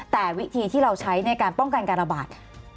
แต่วิธีที่เราใช้ในการป้องกันการระบาด